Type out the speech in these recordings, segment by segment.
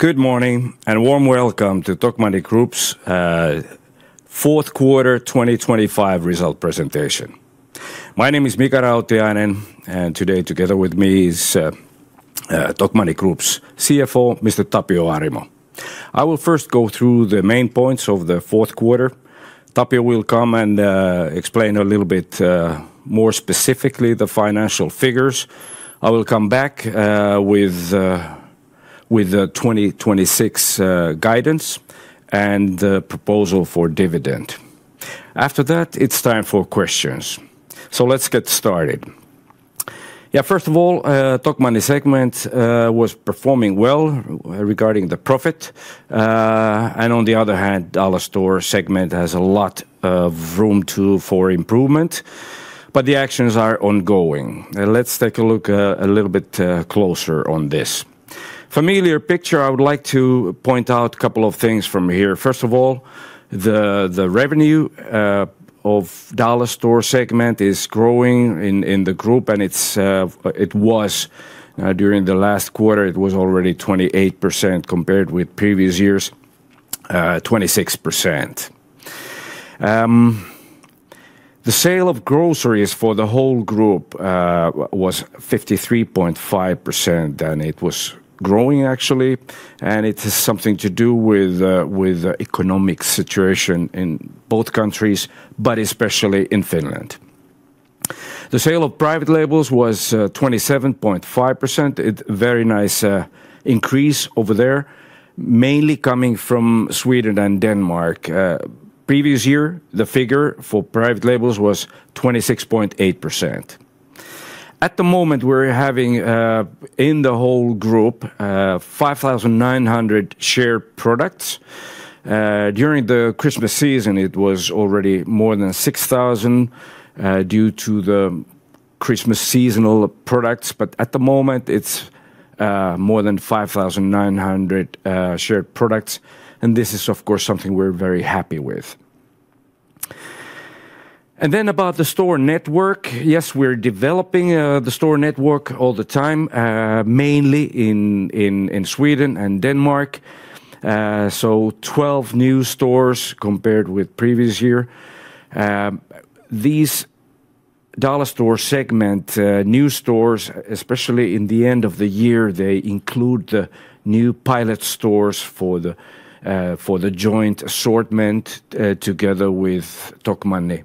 Good morning and warm welcome to Tokmanni Group's fourth quarter 2025 result presentation. My name is Mika Rautiainen, and today together with me is Tokmanni Group's CFO, Mr. Tapio Arimo. I will first go through the main points of the fourth quarter. Tapio will come and explain a little bit more specifically the financial figures. I will come back with the 2026 guidance and the proposal for dividend. After that, it's time for questions. Let's get started. First of all, Tokmanni segment was performing well regarding the profit. On the other hand, Dollarstore segment has a lot of room too for improvement, but the actions are ongoing. Let's take a look a little bit closer on this. Familiar picture. I would like to point out a couple of things from here. First of all, the revenue of Dollarstore segment is growing in the group and it was, during the last quarter, it was already 28% compared with previous year's 26%. The sale of groceries for the whole group was 53.5%, and it was growing actually. It is something to do with economic situation in both countries, but especially in Finland. The sale of private labels was 27.5%. It very nice increase over there, mainly coming from Sweden and Denmark. Previous year, the figure for private labels was 26.8%. At the moment, we're having, in the whole group, 5,900 shared products. During the Christmas season, it was already more than 6,000 due to the Christmas seasonal products. At the moment it's more than 5,900 shared products, and this is of course something we're very happy with. About the store network. Yes, we're developing the store network all the time, mainly in Sweden and Denmark. 12 new stores compared with previous year. These Dollarstore segment new stores, especially in the end of the year, they include the new pilot stores for the joint assortment together with Tokmanni.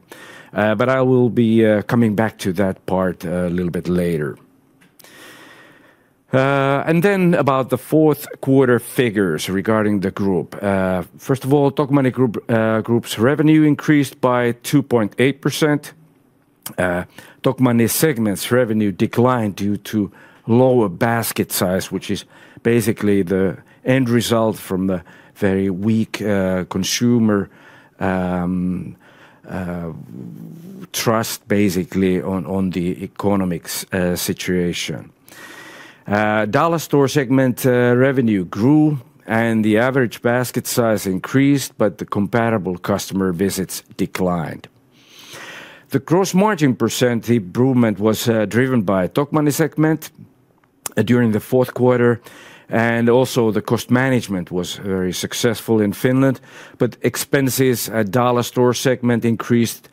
I will be coming back to that part a little bit later. About the fourth quarter figures regarding the group. First of all, Tokmanni Group Group's revenue increased by 2.8%. Tokmanni segment's revenue declined due to lower basket size, which is basically the end result from the very weak consumer trust basically on the economics situation. Dollarstore segment revenue grew and the average basket size increased, but the comparable customer visits declined. The gross margin percent improvement was driven by Tokmanni segment during the fourth quarter, and also the cost management was very successful in Finland, but expenses at Dollarstore segment increased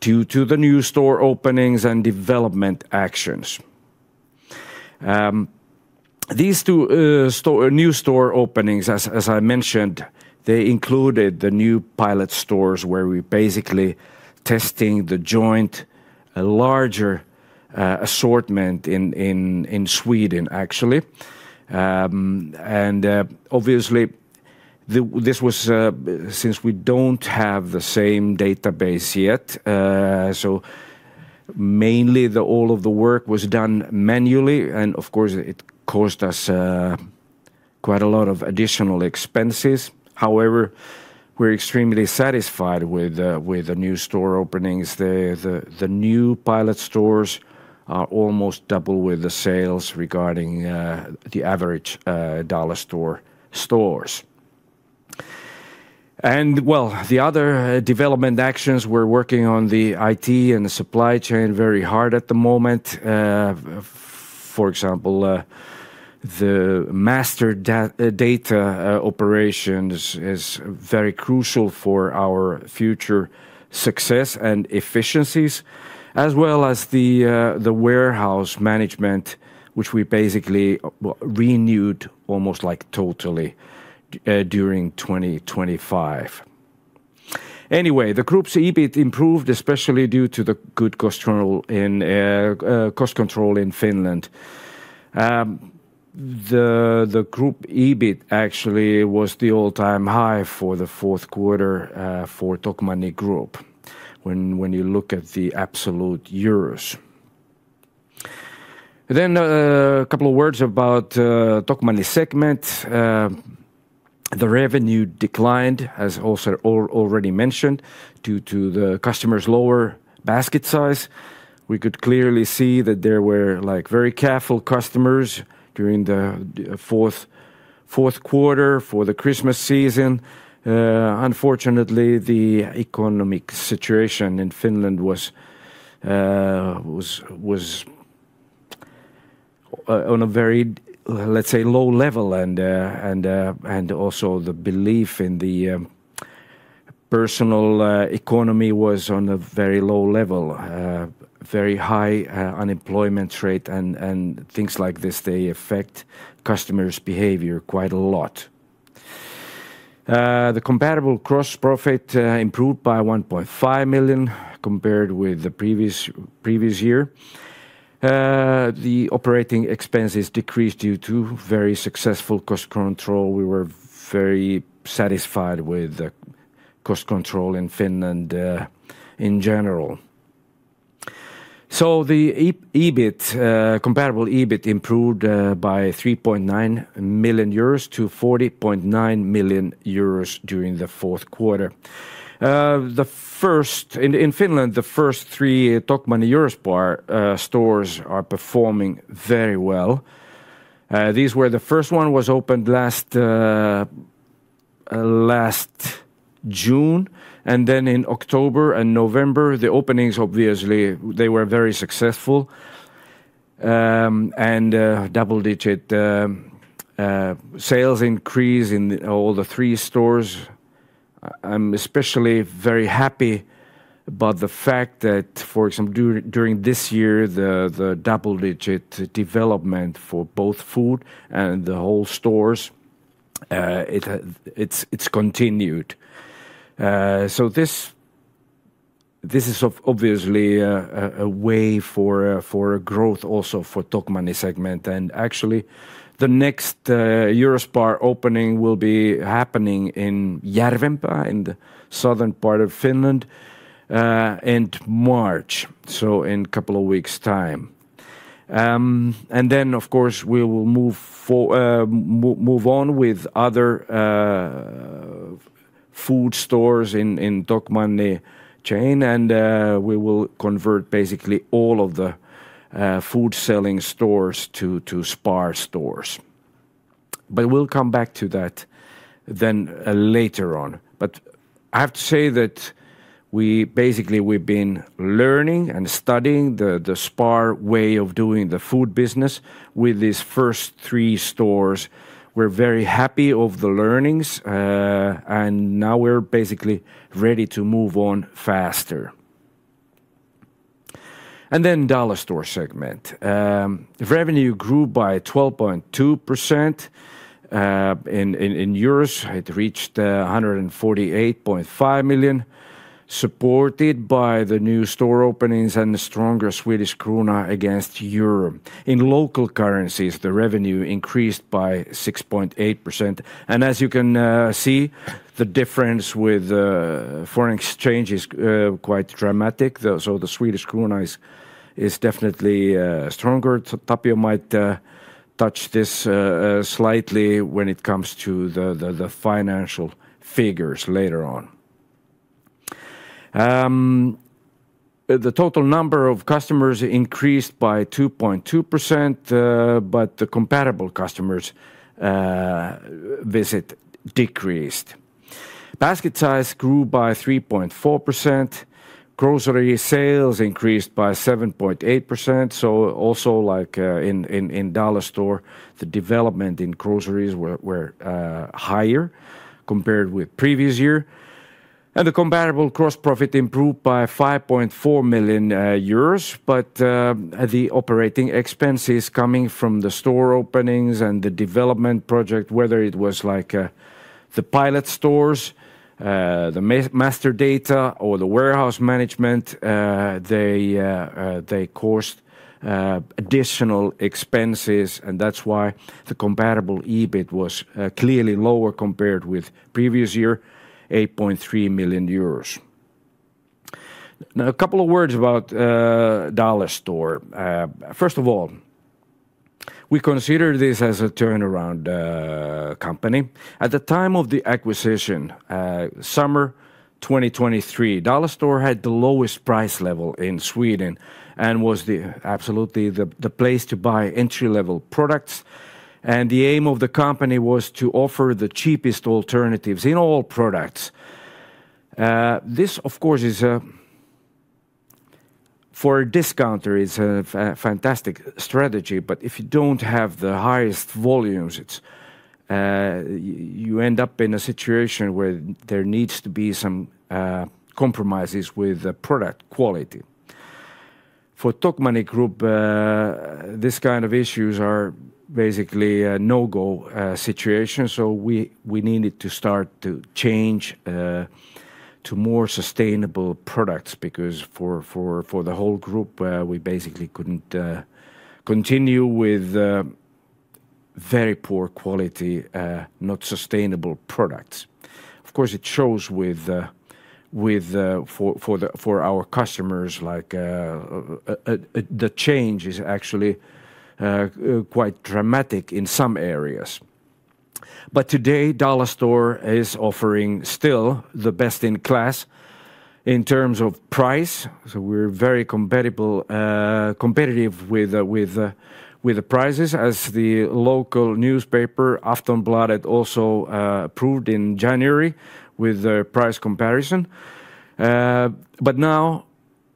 due to the new store openings and development actions. These two new store openings as I mentioned, they included the new pilot stores where we're basically testing the joint larger assortment in Sweden, actually. Obviously this was, since we don't have the same database yet, so mainly all of the work was done manually, and of course, it cost us quite a lot of additional expenses. However, we're extremely satisfied with the new store openings. The new pilot stores are almost double with the sales regarding the average Dollarstore stores. Well, the other development actions we're working on the IT and the supply chain very hard at the moment. For example, the master data operations is very crucial for our future success and efficiencies, as well as the warehouse management, which we basically, well, renewed almost like totally during 2025. The group's EBIT improved, especially due to the good cost control in Finland. The group EBIT actually was the all-time high for the fourth quarter for Tokmanni Group when you look at the absolute euros. A couple of words about Tokmanni segment. The revenue declined as also already mentioned, due to the customers' lower basket size. We could clearly see that there were like very careful customers during the fourth quarter for the Christmas season. Unfortunately, the economic situation in Finland was on a very low level and also the belief in the personal economy was on a very low level. Very high unemployment rate and things like this, they affect customers' behavior quite a lot. The comparable gross profit improved by 1.5 million compared with the previous year. The operating expenses decreased due to very successful cost control. We were very satisfied with the cost control in Finland, in general. The comparable EBIT improved by 3.9 million euros to 40.9 million euros during the fourth quarter. In Finland, the first three Tokmanni-EUROSPAR stores are performing very well. These were the first one was opened last June, and then in October and November, the openings obviously they were very successful. And double-digit sales increase in all the three stores. I'm especially very happy about the fact that for some during this year, the double-digit development for both food and the whole stores, it's continued. This, this is obviously a way for growth also for Tokmanni segment. Actually, the next EUROSPAR opening will be happening in Järvenpää in the southern part of Finland, in March, so in couple of weeks' time. Then of course, we will move for move on with other food stores in Tokmanni chain and we will convert basically all of the food selling stores to SPAR stores. We'll come back to that then later on. I have to say that we've been learning and studying the SPAR way of doing the food business with these first three stores. We're very happy of the learnings, and now we're basically ready to move on faster. Dollarstore segment. Revenue grew by 12.2%. In euros it reached 148.5 million, supported by the new store openings and the stronger Swedish krona against EUR. In local currencies, the revenue increased by 6.8%. As you can see, the difference with foreign exchange is quite dramatic. The Swedish krona is definitely stronger. Tapio might touch this slightly when it comes to the financial figures later on. The total number of customers increased by 2.2%, but the comparable customers visit decreased. Basket size grew by 3.4%. Grocery sales increased by 7.8%. Also like, in Dollarstore, the development in groceries were higher compared with previous year. The comparable gross profit improved by 5.4 million euros. The operating expenses coming from the store openings and the development project, whether it was like, the pilot stores, the master data or the warehouse management, they caused additional expenses, and that's why the comparable EBIT was clearly lower compared with previous year, 8.3 million euros. Now, a couple of words about Dollarstore. First of all, we consider this as a turnaround company. At the time of the acquisition, summer 2023, Dollarstore had the lowest price level in Sweden and was absolutely the place to buy entry-level products. The aim of the company was to offer the cheapest alternatives in all products. This of course is for a discount reason is a fantastic strategy, but if you don't have the highest volumes, you end up in a situation where there needs to be some compromises with the product quality. For Tokmanni Group, this kind of issues are basically a no-go situation, we needed to start to change to more sustainable products because for the whole group, we basically couldn't continue with very poor quality, not sustainable products. Of course, it shows with for our customers, like, the change is actually quite dramatic in some areas. Today, Dollarstore is offering still the best in class in terms of price. We're very compatible, competitive with the prices as the local newspaper Aftonbladet also approved in January with the price comparison. Now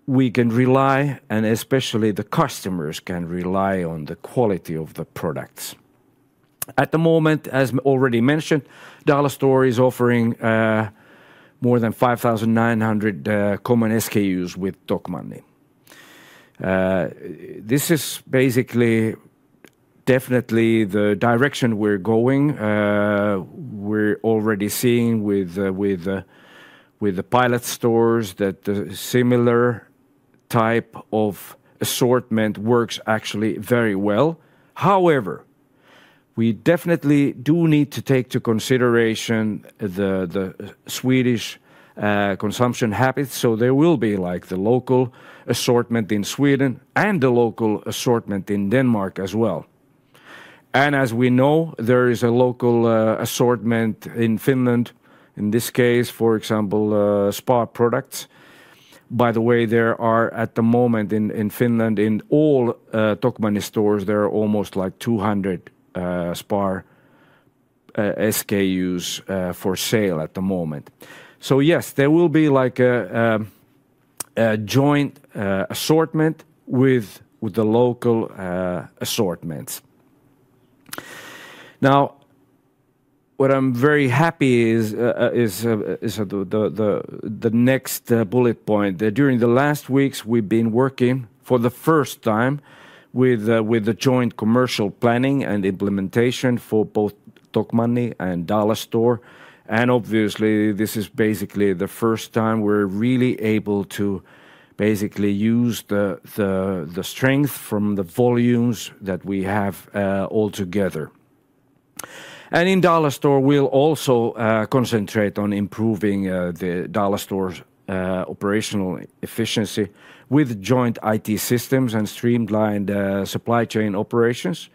we can rely, and especially the customers can rely on the quality of the products. At the moment, as already mentioned, Dollarstore is offering more than 5,900 common SKUs with Tokmanni. This is basically definitely the direction we're going. We're already seeing with the pilot stores that the similar type of assortment works actually very well. We definitely do need to take to consideration the Swedish consumption habits, so there will be like the local assortment in Sweden and a local assortment in Denmark as well. As we know, there is a local assortment in Finland, in this case, for example, SPAR products. By the way, there are at the moment in Finland, in all Tokmanni stores, there are almost like 200 SPAR SKUs for sale at the moment. Yes, there will be like a joint assortment with the local assortments. What I'm very happy is the next bullet point. During the last weeks, we've been working for the first time with the joint commercial planning and implementation for both Tokmanni and Dollarstore. Obviously, this is basically the first time we're really able to basically use the strength from the volumes that we have all together. In Dollarstore, we'll also concentrate on improving the Dollarstore's operational efficiency with joint IT systems and streamlined supply chain operations.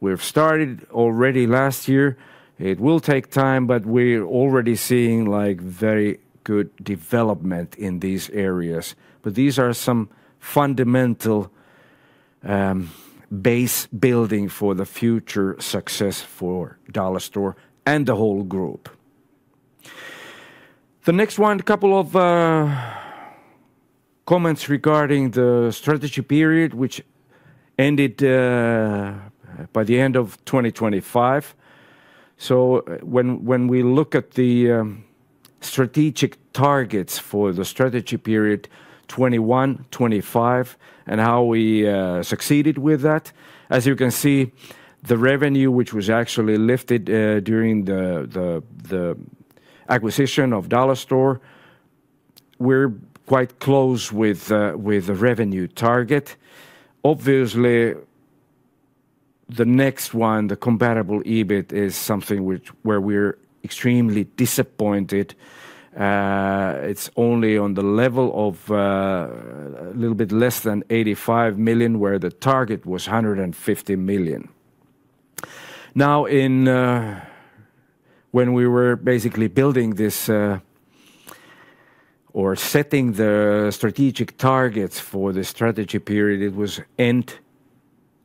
We've started already last year. It will take time, but we're already seeing like very good development in these areas. These are some fundamental base building for the future success for Dollarstore and the whole group. Next one, a couple of comments regarding the strategy period which ended by the end of 2025. When we look at the strategic targets for the strategy period 2021-2025, and how we succeeded with that, as you can see, the revenue which was actually lifted during the acquisition of Dollarstore, we're quite close with the revenue target. Obviously, the next one, the comparable EBIT is something where we're extremely disappointed. It's only on the level of a little bit less than 85 million, where the target was 150 million. When we were basically building this or setting the strategic targets for the strategy period, it was end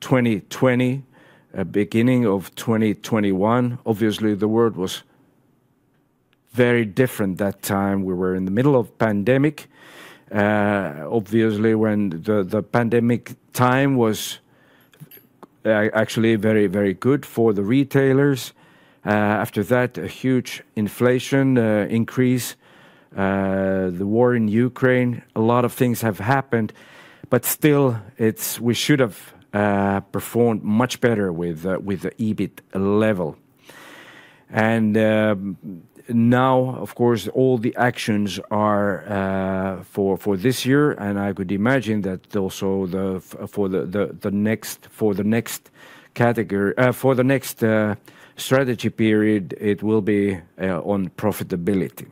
2020, beginning of 2021. Obviously, the world was very different that time. We were in the middle of pandemic. Obviously, when the pandemic time was actually very, very good for the retailers. After that, a huge inflation increase, the war in Ukraine, a lot of things have happened. Still, we should have performed much better with the EBIT level. Now, of course, all the actions are for this year, and I could imagine that also for the next strategy period, it will be on profitability.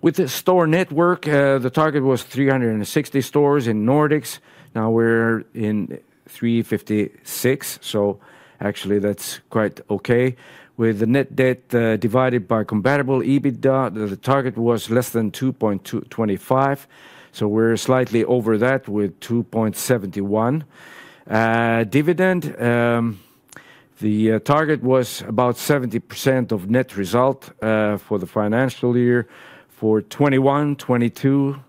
With the store network, the target was 360 stores in Nordics. Now we're in 356, so actually that's quite okay. With the net debt, divided by comparable EBITDA, the target was less than 2.25, so we're slightly over that with 2.71. Dividend, the target was about 70% of net result for the financial year. For 2021, 2022,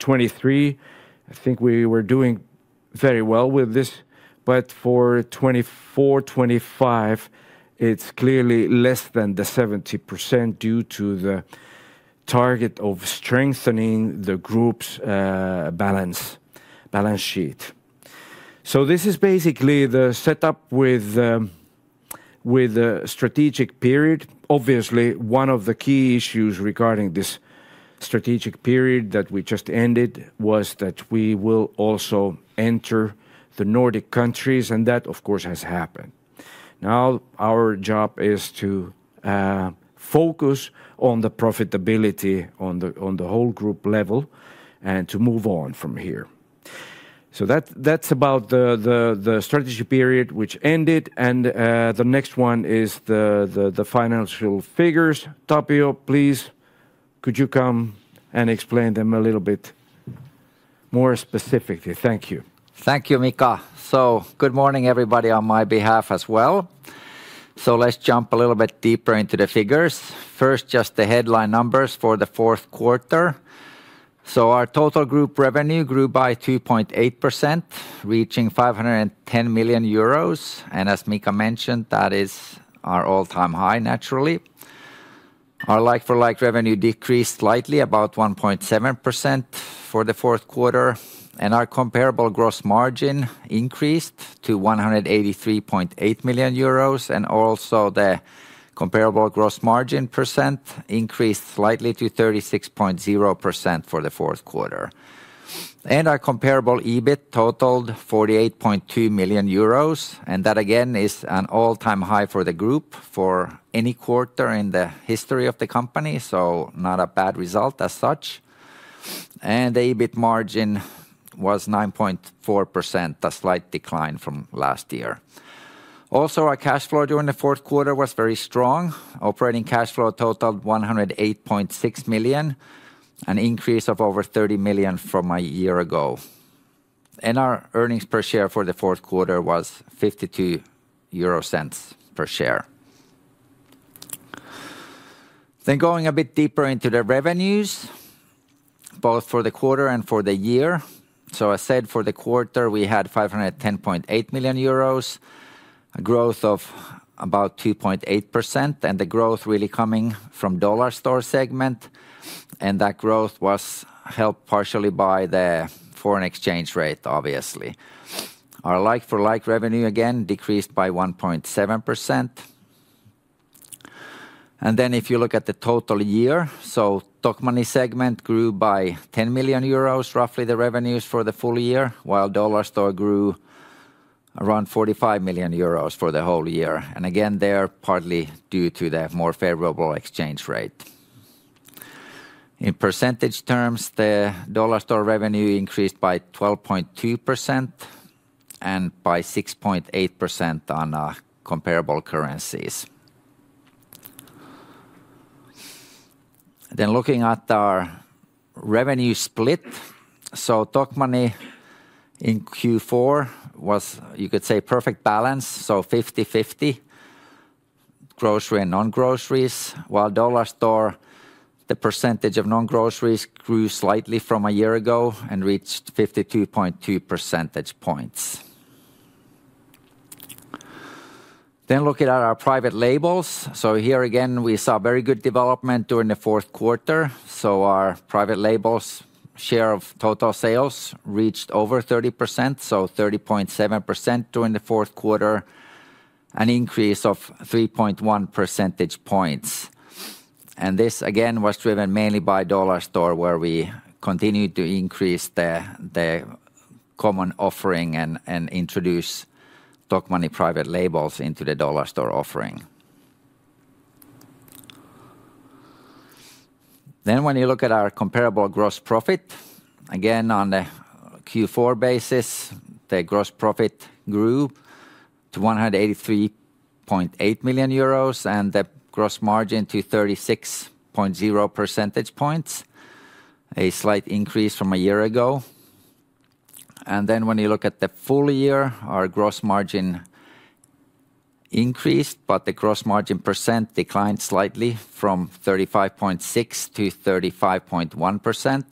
2023, I think we were doing very well with this. For 2024, 2025, it's clearly less than the 70% due to the target of strengthening the group's balance sheet. This is basically the setup with the strategic period. Obviously, one of the key issues regarding this strategic period that we just ended was that we will also enter the Nordic countries, and that of course has happened. Our job is to focus on the profitability on the whole group level and to move on from here. That, that's about the strategy period which ended and the next one is the financial figures. Tapio, please could you come and explain them a little bit more specifically? Thank you. Thank you, Mika. Good morning, everybody on my behalf as well. Let's jump a little bit deeper into the figures. First, just the headline numbers for the fourth quarter. Our total group revenue grew by 2.8%, reaching 510.8 million euros. As Mika mentioned, that is our all-time high, naturally. Our like-for-like revenue decreased slightly about 1.7% for the fourth quarter. Our comparable gross margin increased to 183.8 million euros. Also, the comparable gross margin percent increased slightly to 36.0% for the fourth quarter. Our comparable EBIT totaled 48.2 million euros. That again is an all-time high for the group for any quarter in the history of the company. Not a bad result as such. The EBIT margin was 9.4%, a slight decline from last year. Also, our cash flow during the fourth quarter was very strong. Operating cash flow totaled 108.6 million, an increase of over 30 million from a year ago. Our earnings per share for the fourth quarter was 0.52 per share. Going a bit deeper into the revenues, both for the quarter and for the year. I said for the quarter we had 510.8 million euros, a growth of about 2.8%, and the growth really coming from Dollarstore segment. That growth was helped partially by the foreign exchange rate, obviously. Our like-for-like revenue again decreased by 1.7%. If you look at the total year, Tokmanni segment grew by 10 million euros, roughly the revenues for the full year, while Dollarstore grew around 45 million euros for the whole year. Again, they are partly due to the more favorable exchange rate. In percentage terms, the Dollarstore revenue increased by 12.2% and by 6.8% on comparable currencies. Looking at our revenue split. Tokmanni in Q4 was, you could say, perfect balance, 50/50 grocery and non-groceries. While Dollarstore, the percentage of non-groceries grew slightly from a year ago and reached 52.2 percentage points. Looking at our private labels. Here again, we saw very good development during the fourth quarter. Our private labels share of total sales reached over 30%, so 30.7% during the fourth quarter, an increase of 3.1 percentage points. This again, was driven mainly by Dollarstore, where we continued to increase the common offering and introduce Tokmanni private labels into the Dollarstore offering. When you look at our comparable gross profit, again on the Q4 basis, the gross profit grew to 183.8 million euros and the gross margin to 36.0 percentage points, a slight increase from a year ago. When you look at the full year, our gross margin increased, but the gross margin percent declined slightly from 35.6% to 35.1%.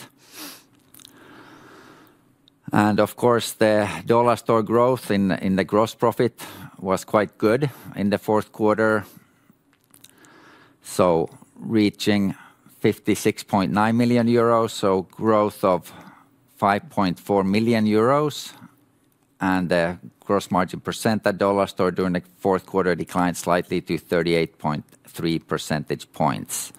Of course, the Dollarstore growth in the gross profit was quite good in the fourth quarter, reaching 56.9 million euros, growth of 5.4 million euros. The gross margin percent at Dollarstore during the fourth quarter declined slightly to 38.3%.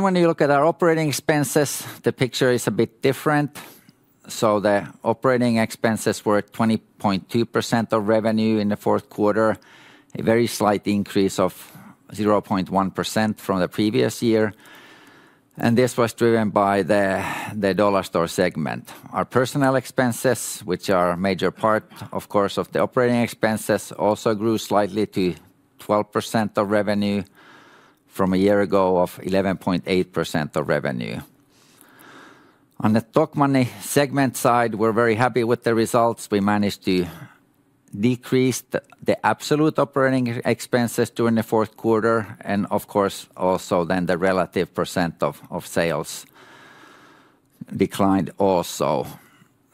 When you look at our operating expenses, the picture is a bit different. The operating expenses were at 20.2% of revenue in the fourth quarter, a very slight increase of 0.1% from the previous year. This was driven by the Dollar Store segment. Our personnel expenses, which are a major part, of course, of the operating expenses, also grew slightly to 12% of revenue from a year ago of 11.8% of revenue. On the Tokmanni segment side, we're very happy with the results. We managed to decrease the absolute operating expenses during the fourth quarter, and of course, also then the relative percent of sales declined also.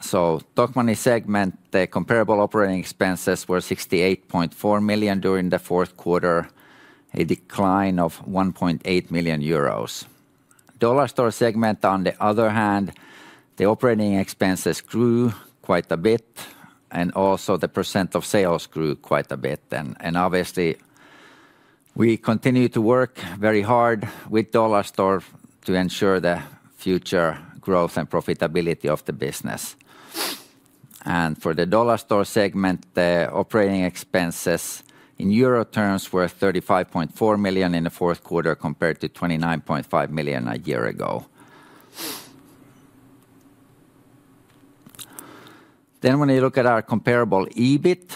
Tokmanni segment, the comparable operating expenses were 68.4 million during the fourth quarter, a decline of 1.8 million euros. Dollarstore segment, on the other hand, the operating expenses grew quite a bit, and also the percent of sales grew quite a bit then. Obviously, we continue to work very hard with Dollarstore to ensure the future growth and profitability of the business. For the Dollarstore segment, the operating expenses in euro terms were 35.4 million in the fourth quarter compared to 29.5 million a year ago. When you look at our comparable EBIT,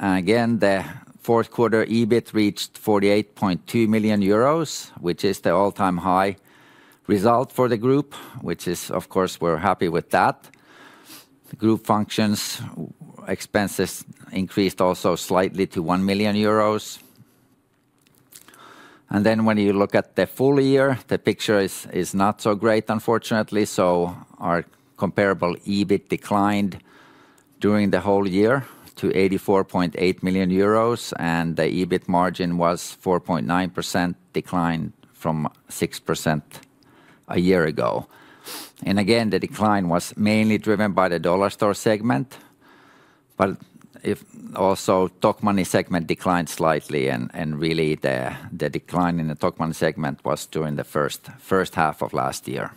again, the fourth quarter EBIT reached 48.2 million euros, which is the all-time high result for the group, which is, of course, we're happy with that. Group functions expenses increased also slightly to 1 million euros. When you look at the full year, the picture is not so great, unfortunately. Our comparable EBIT declined during the whole year to 84.8 million euros, and the EBIT margin was 4.9% decline from 6% a year ago. Again, the decline was mainly driven by the Dollarstore segment. If also Tokmanni segment declined slightly and really the decline in the Tokmanni segment was during the first half of last year.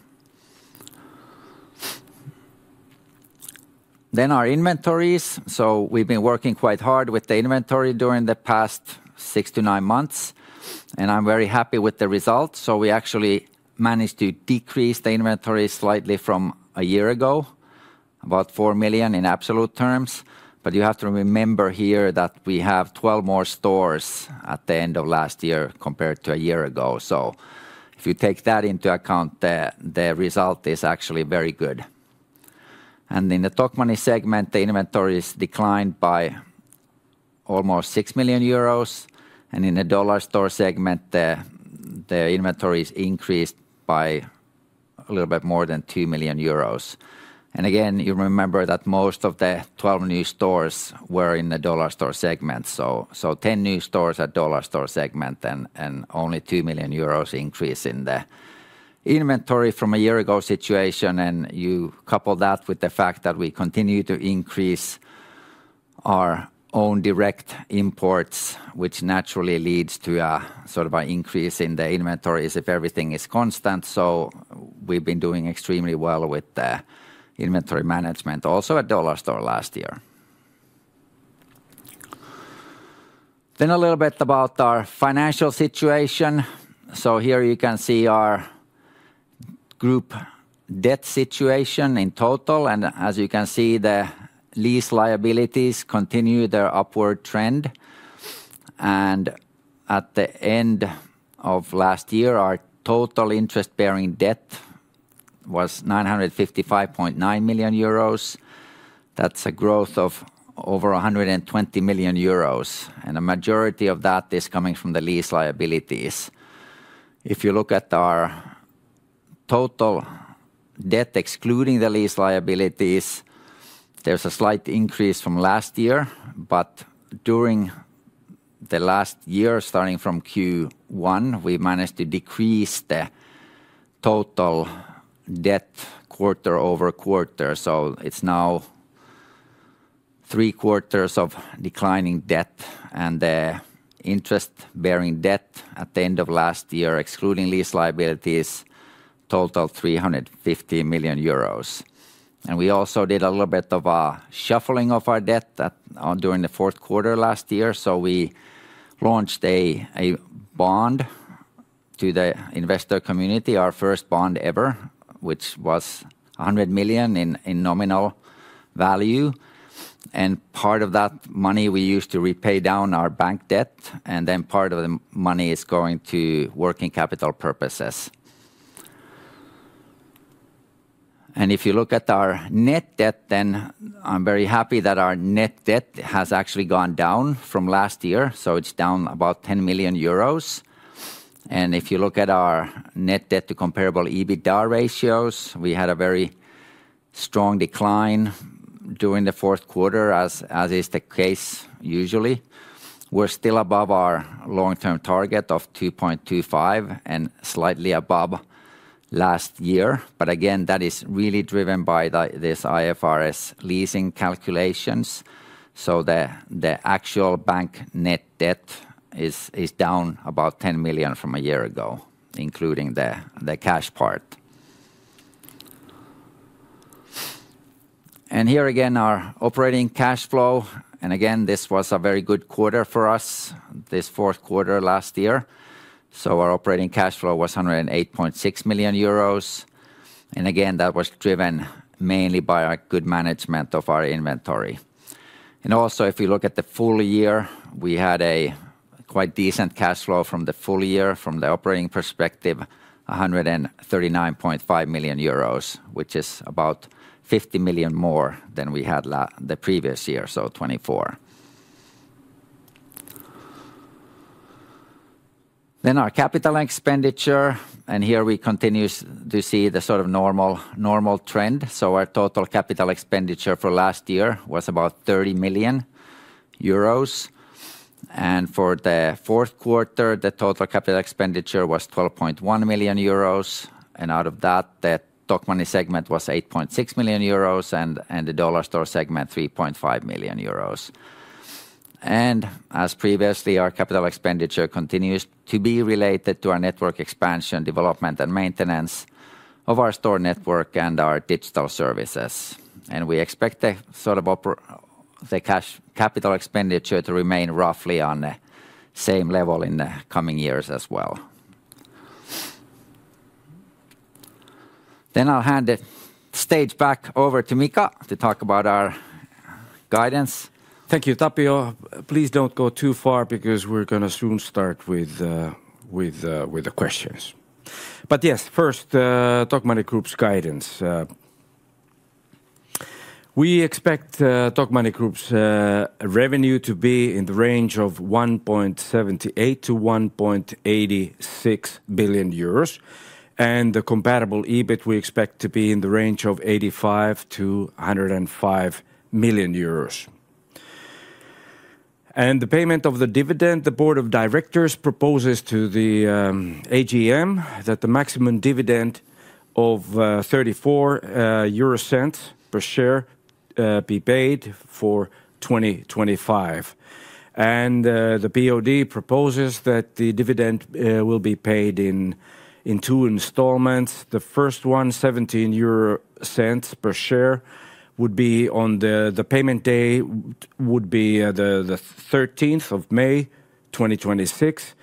Our inventories. We've been working quite hard with the inventory during the past six to nine months, and I'm very happy with the results. We actually managed to decrease the inventory slightly from a year ago, about 4 million in absolute terms. You have to remember here that we have 12 more stores at the end of last year compared to a year ago. If you take that into account, the result is actually very good. In the Tokmanni segment, the inventories declined by almost 6 million euros. In the Dollarstore segment, the inventories increased by a little bit more than 2 million euros. Again, you remember that most of the 12 new stores were in the Dollarstore segment. 10 new stores at Dollarstore segment and only 2 million euros increase in the inventory from a year ago situation. You couple that with the fact that we continue to increase our own direct imports, which naturally leads to a sort of an increase in the inventories if everything is constant. We've been doing extremely well with the inventory management also at Dollarstore last year. A little bit about our financial situation. Here you can see our group debt situation in total. As you can see, the lease liabilities continue their upward trend. At the end of last year, our total interest-bearing debt was 955.9 million euros. That's a growth of over 120 million euros. A majority of that is coming from the lease liabilities. If you look at our total debt, excluding the lease liabilities, there's a slight increase from last year. During the last year, starting from Q1, we managed to decrease the total debt quarter-over-quarter. It's now three quarters of declining debt and the interest-bearing debt at the end of last year, excluding lease liabilities, total 350 million euros. We also did a little bit of a shuffling of our debt during the fourth quarter last year. We launched a bond to the investor community, our first bond ever, which was 100 million in nominal value. Part of that money we used to repay down our bank debt, and then part of the money is going to working capital purposes. If you look at our net debt, I'm very happy that our net debt has actually gone down from last year, so it's down about 10 million euros. If you look at our net debt to comparable EBITDA ratios, we had a very strong decline during the fourth quarter, as is the case usually. We're still above our long-term target of 2.25 and slightly above last year. Again, that is really driven by this IFRS leasing calculations. The actual bank net debt is down about 10 million from a year ago, including the cash part. Here again, our operating cash flow. Again, this was a very good quarter for us, this fourth quarter last year. Our operating cash flow was 108.6 million euros. Again, that was driven mainly by our good management of our inventory. If you look at the full year, we had a quite decent cash flow from the full year from the operating perspective, 139.5 million euros, which is about 50 million more than we had the previous year, so 2024. Our capital expenditure, and here we continue to see the sort of normal trend. Our total capital expenditure for last year was about 30 million euros. For the fourth quarter, the total capital expenditure was 12.1 million euros. Out of that, the Tokmanni segment was 8.6 million euros and the Dollarstore segment, 3.5 million euros. As previously, our capital expenditure continues to be related to our network expansion, development, and maintenance of our store network and our digital services. We expect the sort of the cash, capital expenditure to remain roughly on the same level in the coming years as well. I'll hand the stage back over to Mika to talk about our guidance. Thank you, Tapio. Please don't go too far because we're gonna soon start with the questions. Yes, first, Tokmanni Group's guidance. We expect Tokmanni Group's revenue to be in the range of 1.78 billion-1.86 billion euros. The comparable EBIT we expect to be in the range of 85 million-105 million euros. The payment of the dividend, the Board of Directors proposes to the AGM that the maximum dividend of 0.34 per share be paid for 2025. The BOD proposes that the dividend will be paid in two installments. The first one, EUR 0.17 per share would be on, the payment day would be the 13th of May, 2026.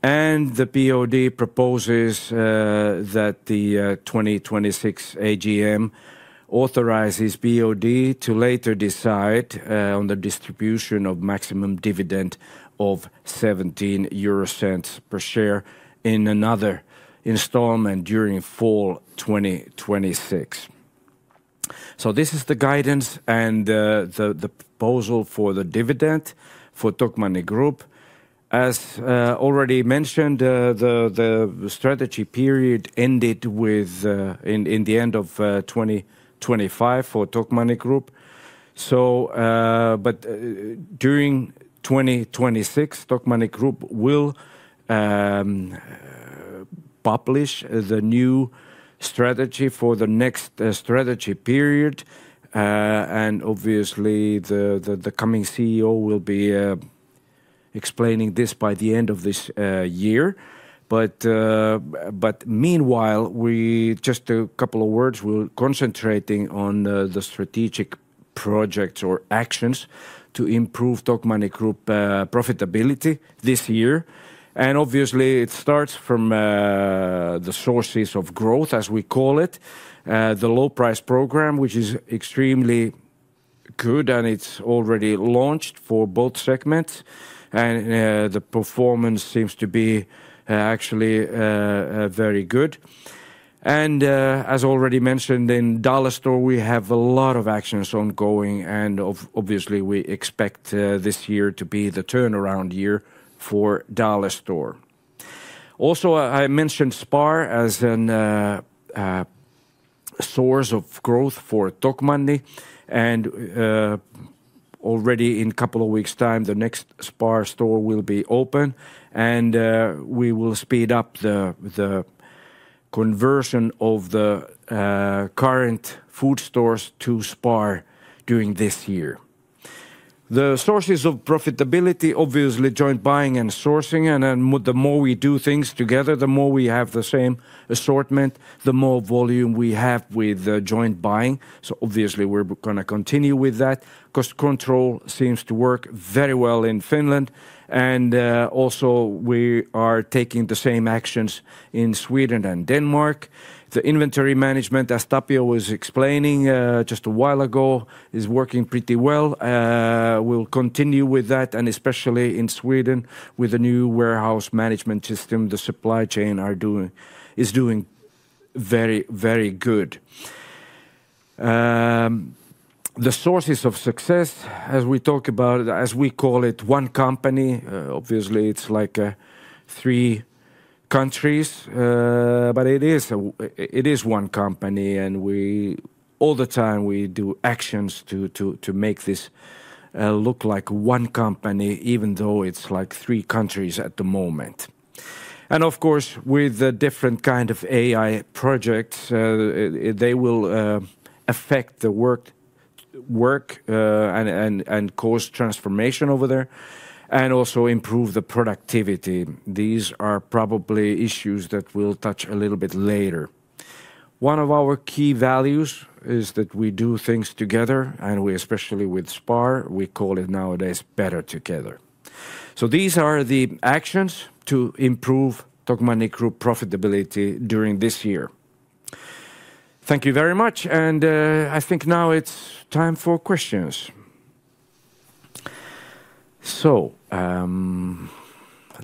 The BOD proposes that the 2026 AGM authorizes BOD to later decide on the distribution of maximum dividend of 0.17 per share in another installment during fall 2026. This is the guidance and the proposal for the dividend for Tokmanni Group. As already mentioned, the strategy period ended in the end of 2025 for Tokmanni Group. But during 2026, Tokmanni Group will publish the new strategy for the next strategy period. And obviously, the coming CEO will be explaining this by the end of this year. But meanwhile, we just a couple of words, we're concentrating on the strategic projects or actions to improve Tokmanni Group profitability this year. Obviously it starts from the sources of growth, as we call it, the low price program, which is extremely good, and it's already launched for both segments. The performance seems to be actually very good. As already mentioned, in Dollarstore, we have a lot of actions ongoing, and obviously, we expect this year to be the turnaround year for Dollarstore. Also, I mentioned SPAR as a source of growth for Tokmanni and already in couple of weeks' time, the next SPAR store will be open and we will speed up the conversion of the current food stores to SPAR during this year. The sources of profitability, obviously joint buying and sourcing, and then the more we do things together, the more we have the same assortment, the more volume we have with the joint buying. Obviously we're gonna continue with that. Cost control seems to work very well in Finland, and also we are taking the same actions in Sweden and Denmark. The inventory management, as Tapio was explaining, just a while ago, is working pretty well. We'll continue with that, and especially in Sweden with the new warehouse management system, the supply chain is doing very, very good. The sources of success as we talk about, as we call it, one company, obviously it's like three countries, but it is one company and we... All the time we do actions to make this look like one company, even though it's like three countries at the moment. Of course, with the different kind of AI projects, they will affect the work and cause transformation over there and also improve the productivity. These are probably issues that we'll touch a little bit later. One of our key values is that we do things together and we, especially with SPAR, we call it nowadays Better Together. These are the actions to improve Tokmanni Group profitability during this year. Thank you very much. I think now it's time for questions.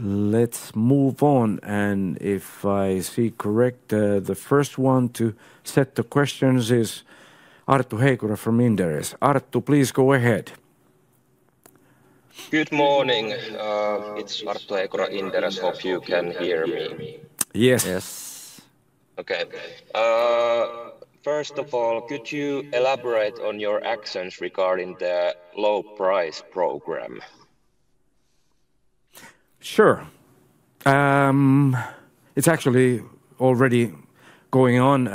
Let's move on and if I see correct, the first one to set the questions is Arttu Heikura from Inderes. Arttu, please go ahead. Good morning. It's Arttu Heikura, Inderes. Hope you can hear me. Yes. Yes. Okay. first of all, could you elaborate on your actions regarding the low price program? Sure. It's actually already going on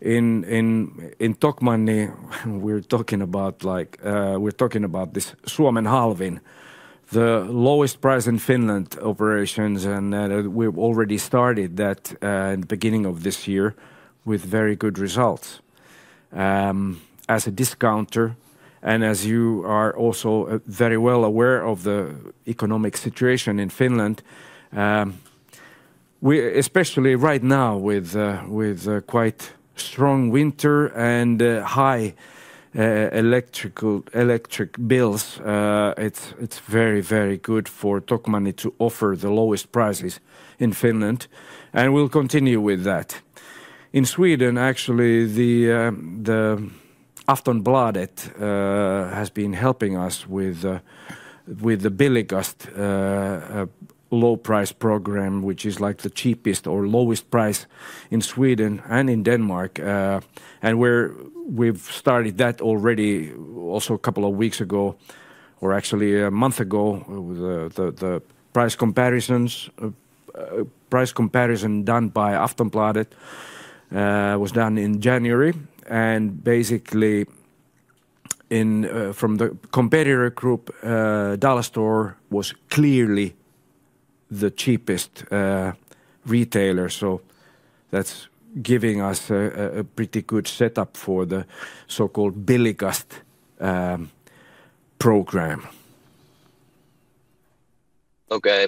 in Tokmanni we're talking about this Suomen Halvin, the lowest price in Finland operations. We've already started that in the beginning of this year with very good results. As a discounter and as you are also very well aware of the economic situation in Finland, especially right now with quite strong winter and high electric bills, it's very, very good for Tokmanni to offer the lowest prices in Finland, and we'll continue with that. In Sweden, actually, the Aftonbladet has been helping us with the Billigast low price program, which is like the cheapest or lowest price in Sweden and in Denmark. We've started that already also a couple of weeks ago, or actually a month ago with the price comparisons. Price comparison done by Aftonbladet was done in January. Basically, in from the competitor group, Dollarstore was clearly the cheapest retailer. That's giving us a pretty good setup for the so-called Billigast program. Okay.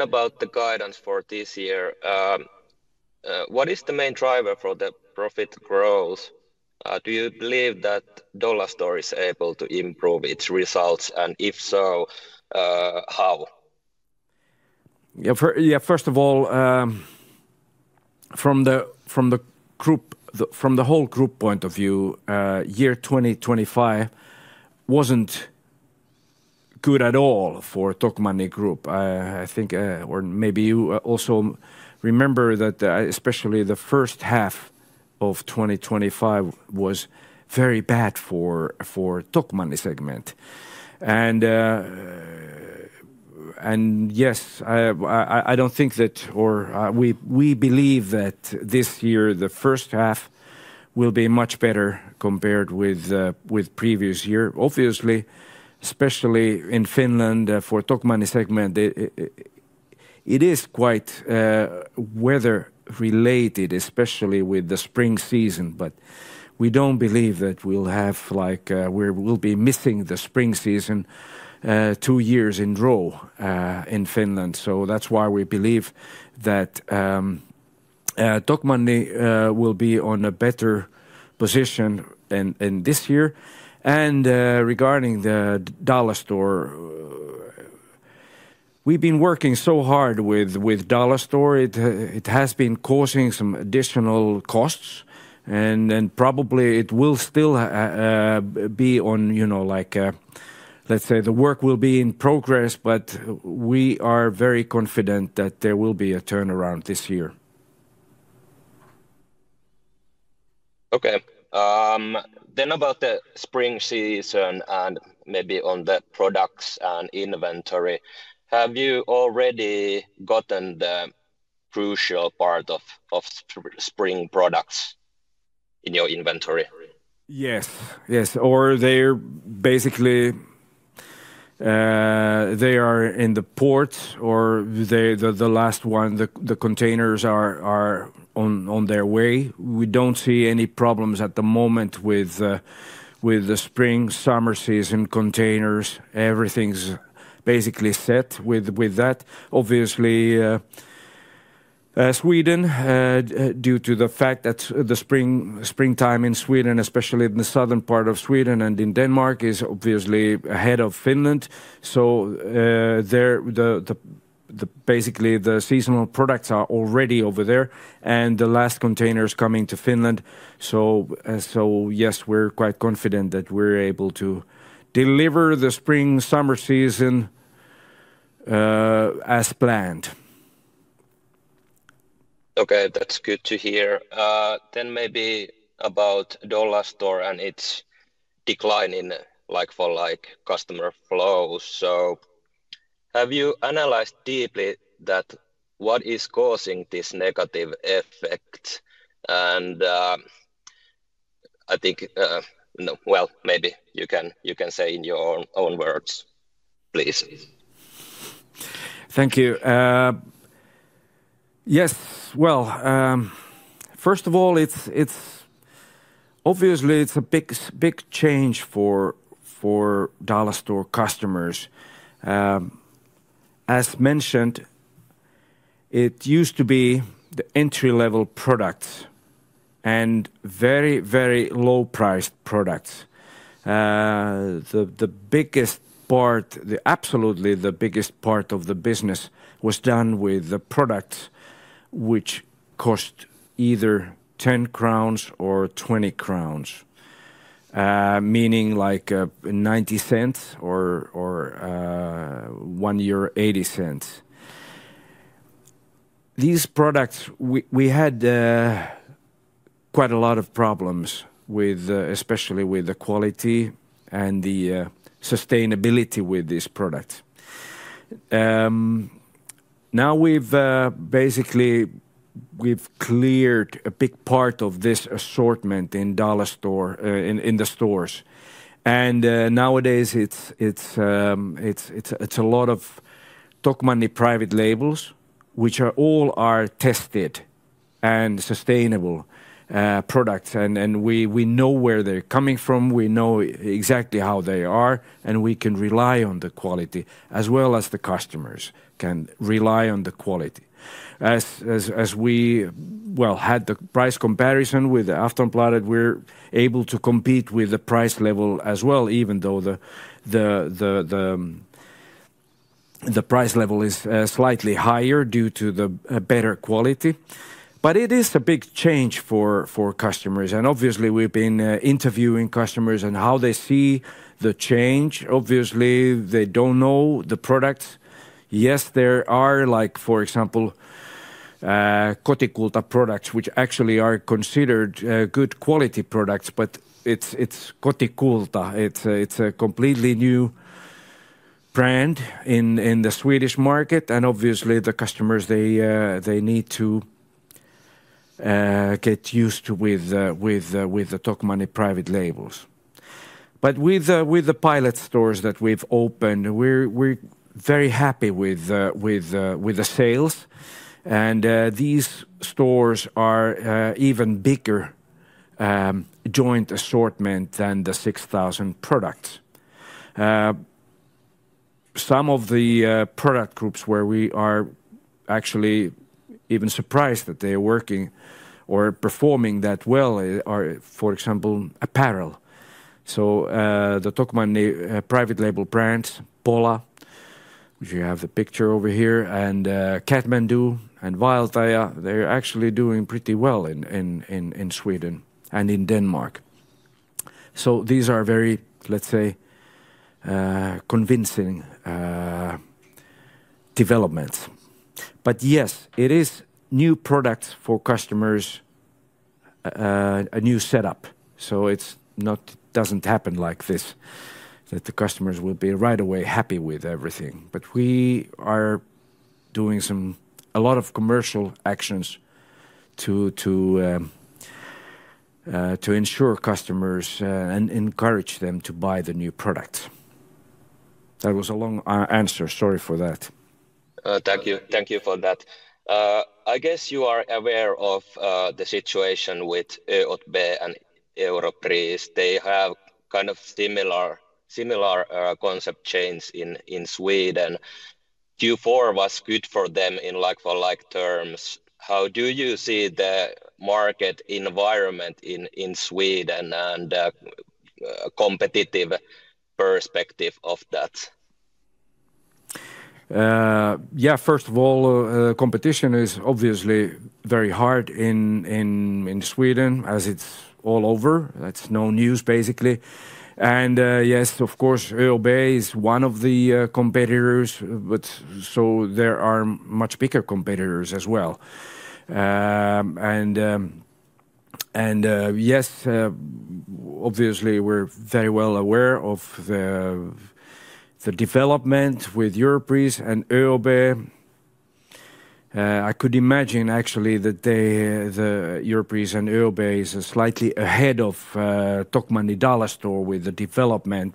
About the guidance for this year, what is the main driver for the profit growth? Do you believe that Dollarstore is able to improve its results, and if so, how? First of all, from the whole group point of view, year 2025 wasn't good at all for Tokmanni Group. I think, or maybe you also remember that, especially the first half of 2025 was very bad for Tokmanni segment. Yes, I don't think that. Or, we believe that this year, the first half will be much better compared with previous year. Obviously, especially in Finland, for Tokmanni segment, it is quite weather related, especially with the spring season. We don't believe that we'll have like, we'll be missing the spring season, two years in row in Finland. That's why we believe that Tokmanni will be on a better position than in this year. Regarding the Dollarstore, we've been working so hard with Dollarstore. It has been causing some additional costs and probably it will still be on, you know, like, let's say the work will be in progress. We are very confident that there will be a turnaround this year. Okay. About the spring season and maybe on the products and inventory, have you already gotten the crucial part of, spring products in your inventory? Yes. They're basically, they are in the port or the last one, the containers are on their way. We don't see any problems at the moment with the spring, summer season containers. Everything's basically set with that. As Sweden had, due to the fact that the springtime in Sweden, especially in the southern part of Sweden and in Denmark, is obviously ahead of Finland. There, basically the seasonal products are already over there, and the last container's coming to Finland. So yes, we're quite confident that we're able to deliver the spring, summer season as planned. Okay. That's good to hear. Maybe about Dollarstore and its decline in like-for-like customer flow. Have you analyzed deeply that what is causing this negative effect? I think, no. Well, maybe you can say in your own words, please. Thank you. Yes. Well, first of all, it's obviously it's a big change for Dollarstore customers. As mentioned, it used to be the entry-level products and very low-priced products. The biggest part, the absolutely the biggest part of the business was done with the product which cost either 10 crowns or 20 crowns, meaning like 0.90 or 1.80. These products, we had quite a lot of problems with, especially with the quality and the sustainability with this product. Now we've basically we've cleared a big part of this assortment in Dollarstore, in the stores. Nowadays it's a lot of Tokmanni private labels, which are all are tested and sustainable products. We know where they're coming from, we know exactly how they are, and we can rely on the quality as well as the customers can rely on the quality. As we, well, had the price comparison with the Aftonbladet, we're able to compete with the price level as well, even though the price level is slightly higher due to the better quality. It is a big change for customers. Obviously we've been interviewing customers and how they see the change. Obviously, they don't know the products. Yes, there are like, for example, Kotikulta products, which actually are considered good quality products, but it's Kotikulta. It's a completely new brand in the Swedish market. Obviously the customers, they need to get used to with the Tokmanni private labels. With the pilot stores that we've opened, we're very happy with the sales. These stores are even bigger joint assortment than the 6,000 products. Some of the product groups where we are actually even surprised that they're working or performing that well are, for example, apparel. The Tokmanni private label brand, Pola, if you have the picture over here, Catmandoo and Vaeltaja, they're actually doing pretty well in Sweden and in Denmark. These are very, let's say, convincing developments. Yes, it is new products for customers, a new setup. It's not doesn't happen like this, that the customers will be right away happy with everything. We are doing a lot of commercial actions to ensure customers and encourage them to buy the new product. That was a long answer. Sorry for that. Thank you. Thank you for that. I guess you are aware of the situation with ÖoB and Europris. They have kind of similar, concept chains in Sweden. Q4 was good for them in like-for-like terms. How do you see the market environment in Sweden and competitive perspective of that? Yeah, first of all, competition is obviously very hard in, in Sweden, as it's all over. That's no news, basically. Yes, of course, ÖoB is one of the competitors, but there are much bigger competitors as well. And, yes, obviously we're very well aware of the development with Europris and ÖoB. I could imagine actually that they, the Europris and ÖoB is slightly ahead of Tokmanni Dollarstore with the development.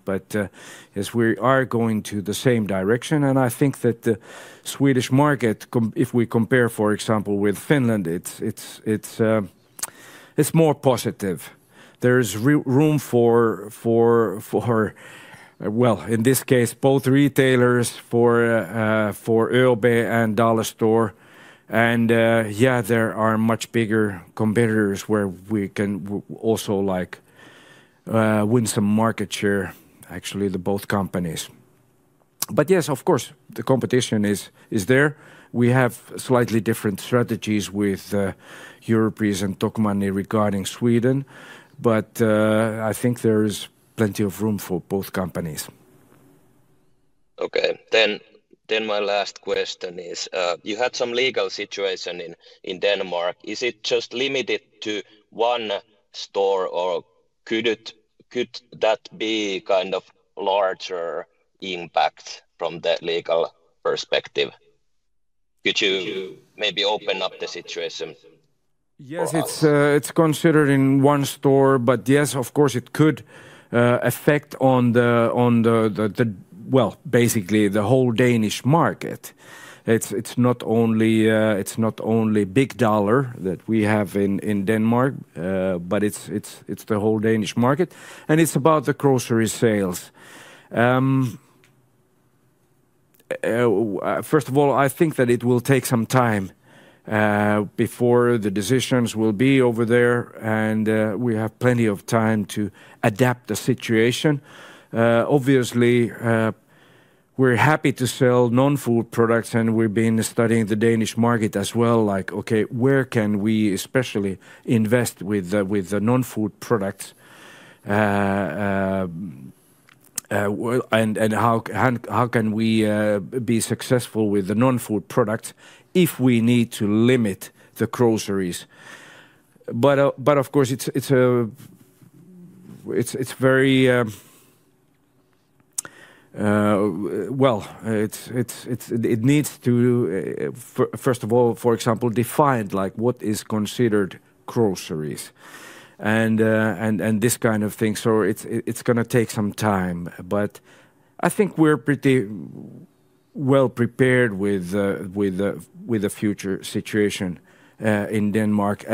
Yes, we are going to the same direction, and I think that the Swedish market if we compare, for example, with Finland, it's, it's more positive. There's room for, well, in this case, both retailers for ÖoB and Dollarstore. Yeah, there are much bigger competitors where we can also, like, win some market share, actually, the both companies. Yes, of course, the competition is there. We have slightly different strategies with Europris and Tokmanni regarding Sweden, I think there is plenty of room for both companies. Okay. My last question is, you had some legal situation in Denmark. Is it just limited to one store or could that be kind of larger impact from the legal perspective? Could you maybe open up the situation for us? Yes, it's considered in one store, but yes, of course, it could affect on the well, basically the whole Danish market. It's not only Big Dollar that we have in Denmark, but it's the whole Danish market, and it's about the grocery sales. First of all, I think that it will take some time before the decisions will be over there and we have plenty of time to adapt the situation. Obviously, we're happy to sell non-food products and we've been studying the Danish market as well, like, okay, where can we especially invest with the non-food products, well, and how can we be successful with the non-food products if we need to limit the groceries? Of course, it's very, well, it needs to first of all, for example, define like what is considered groceries and this kind of thing. It's gonna take some time, but I think we're pretty well prepared with the future situation in Denmark.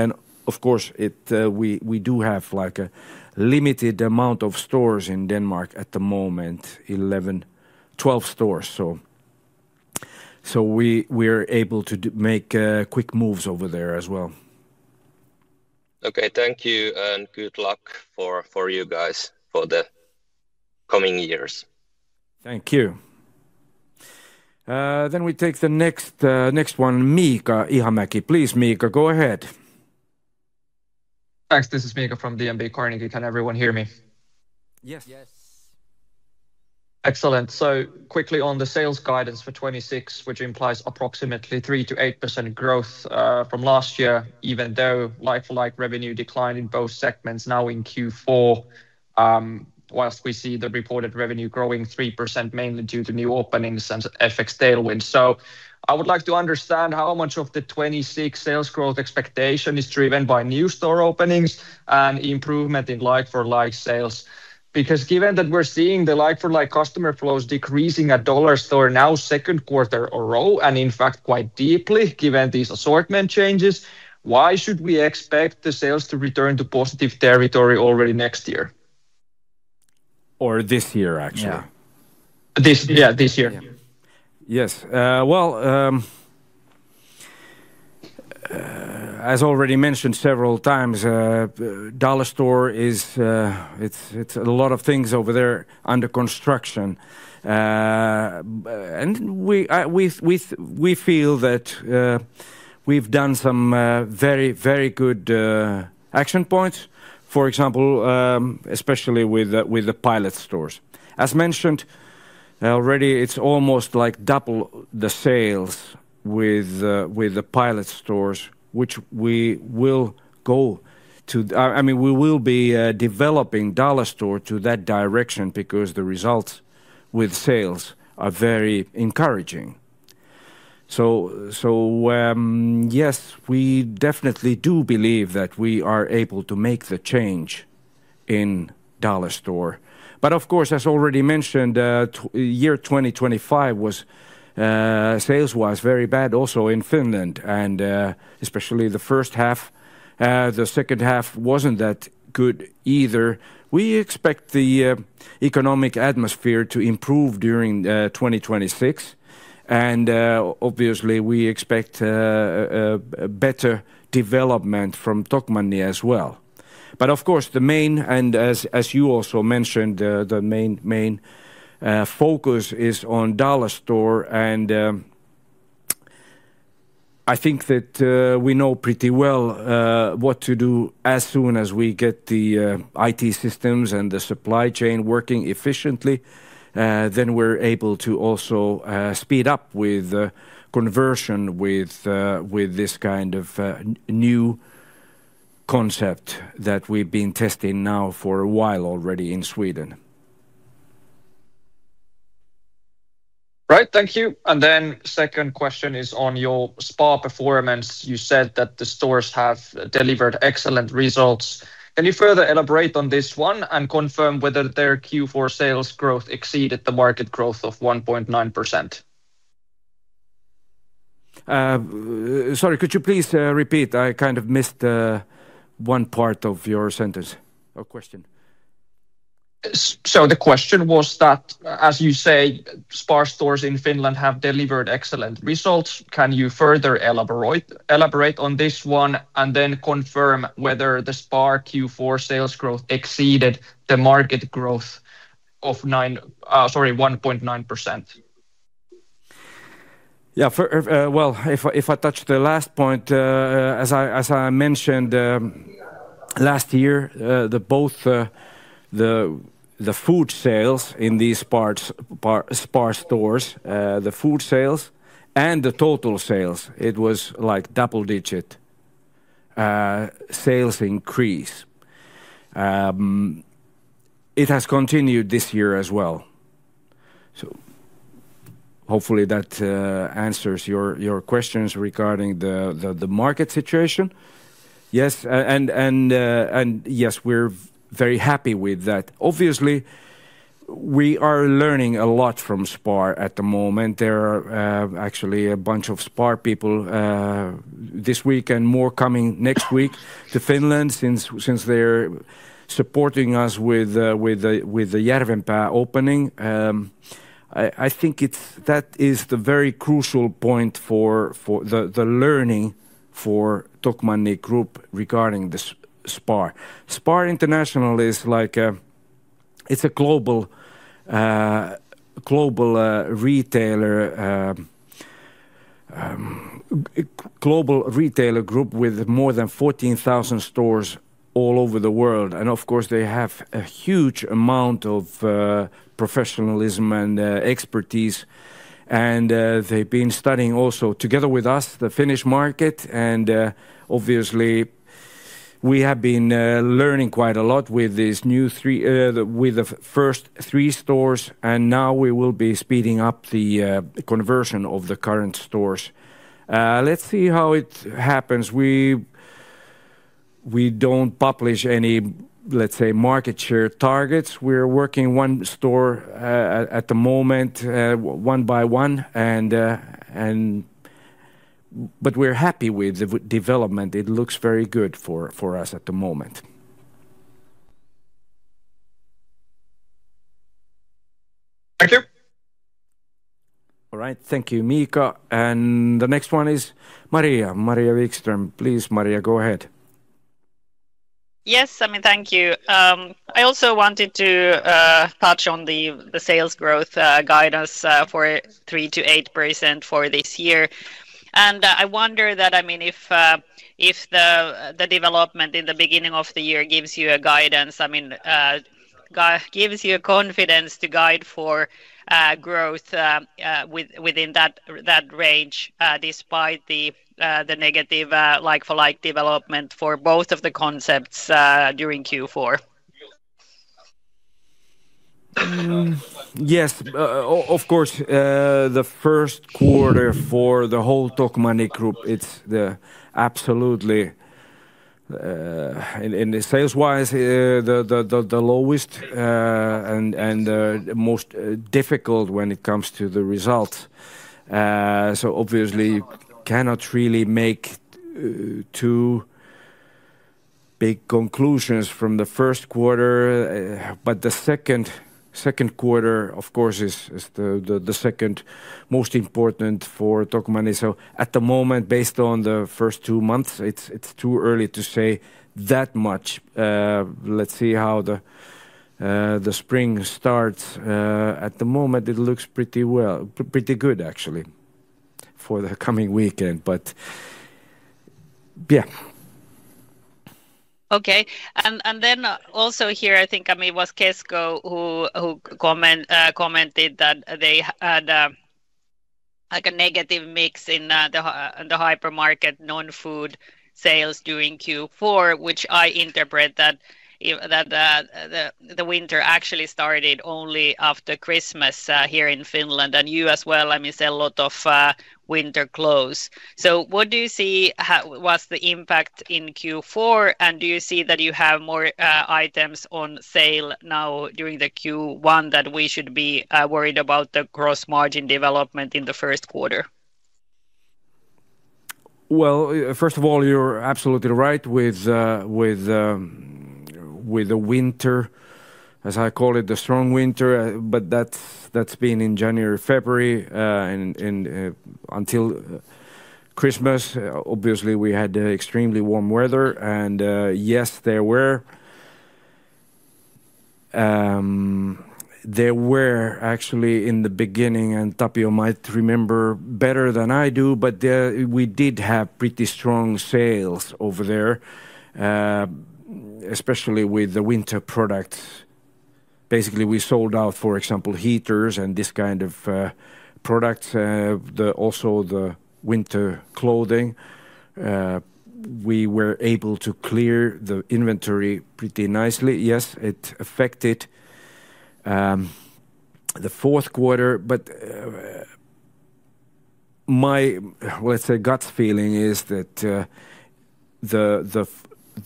Of course, it, we do have, like, a limited amount of stores in Denmark at the moment, 11-12 stores. We're able to make quick moves over there as well. Okay. Thank you, and good luck for you guys for the coming years. Thank you. We take the next one, Miika Ihamäki. Please, Miika, go ahead. Thanks. This is Miika from DNB Carnegie. Can everyone hear me? Yes. Yes. Excellent. Quickly on the sales guidance for 2026, which implies approximately 3%-8% growth from last year, even though like-for-like revenue declined in both segments now in Q4, whilst we see the reported revenue growing 3% mainly due to new openings and FX tailwinds. I would like to understand how much of the 2026 sales growth expectation is driven by new store openings and improvement in like-for-like sales. Given that we're seeing the like-for-like customer flows decreasing at Dollarstore now second quarter a row, and in fact quite deeply given these assortment changes, why should we expect the sales to return to positive territory already next year? For this year, actually. Yeah. Yeah, this year. Yes. Well, as already mentioned several times, Dollarstore is, it's a lot of things over there under construction. We feel that we've done some very, very good action points. For example, especially with the pilot stores. As mentioned already, it's almost like double the sales with the pilot stores, which we will go to. I mean, we will be developing Dollarstore to that direction because the results with sales are very encouraging. Yes, we definitely do believe that we are able to make the change in Dollarstore. Of course, as already mentioned, year 2025 was sales-wise very bad also in Finland, and especially the first half. The second half wasn't that good either. We expect the economic atmosphere to improve during 2026, obviously we expect a better development from Tokmanni as well. Of course, the main, and as you also mentioned, the main focus is on Dollarstore. I think that we know pretty well what to do as soon as we get the IT systems and the supply chain working efficiently, then we're able to also speed up with conversion with this kind of new concept that we've been testing now for a while already in Sweden. Right. Thank you. Second question is on your SPAR performance. You said that the stores have delivered excellent results. Can you further elaborate on this one and confirm whether their Q4 sales growth exceeded the market growth of 1.9%? Sorry, could you please repeat? I kind of missed one part of your sentence or question. The question was that, as you say, SPAR stores in Finland have delivered excellent results. Can you further elaborate on this one, and then confirm whether the SPAR Q4 sales growth exceeded the market growth of sorry, 1.9%? Yeah. For. Well, if I touch the last point, as I mentioned, last year, the both, the food sales in these SPAR stores, the food sales and the total sales, it was like double-digit sales increase. It has continued this year as well. Hopefully that answers your questions regarding the market situation. Yes, we're very happy with that. Obviously, we are learning a lot from SPAR at the moment. There are, actually a bunch of SPAR people this week and more coming next week to Finland since they're supporting us with the Järvenpää opening. I think that is the very crucial point for the learning for Tokmanni Group regarding the SPAR. SPAR International is like a, it's a global retailer group with more than 14,000 stores all over the world. Of course, they have a huge amount of professionalism and expertise. They've been studying also together with us, the Finnish market, obviously we have been learning quite a lot with these new three, with the first three stores, now we will be speeding up the conversion of the current stores. Let's see how it happens. We don't publish any, let's say, market share targets. We're working one store at the moment, one by one. We're happy with the development. It looks very good for us at the moment. Thank you. All right. Thank you, Miika. The next one is Maria Wikström. Please, Maria, go ahead. Yes. I mean, thank you. I also wanted to touch on the sales growth guidance for 3%-8% for this year. I wonder that, I mean, if the development in the beginning of the year gives you a guidance, I mean, gives you confidence to guide for growth within that range, despite the negative like-for-like development for both of the concepts during Q4. Yes. Of course, the first quarter for the whole Tokmanni Group, it's the absolutely in the sales wise the lowest and most difficult when it comes to the result. Obviously cannot really make too big conclusions from the first quarter. The second quarter, of course, is the second most important for Tokmanni. At the moment, based on the first two months, it's too early to say that much. Let's see how the spring starts. At the moment it looks pretty well, pretty good, actually, for the coming weekend. Yeah. Okay. Then also here, I think, I mean, it was Kesko who commented that they had, like a negative mix in the hypermarket non-food sales during Q4, which I interpret that if the winter actually started only after Christmas here in Finland and you as well, I mean, sell a lot of winter clothes. What do you see was the impact in Q4, and do you see that you have more items on sale now during the Q1 that we should be worried about the gross margin development in the first quarter? Well, first of all, you're absolutely right with, with the winter, as I call it, the strong winter, but that's been in January, February, and until Christmas. Obviously, we had extremely warm weather and yes, there were actually in the beginning, and Tapio might remember better than I do, but we did have pretty strong sales over there, especially with the winter products. Basically, we sold out, for example, heaters and this kind of products. Also, the winter clothing. We were able to clear the inventory pretty nicely. It affected the fourth quarter, my, let's say, gut feeling is that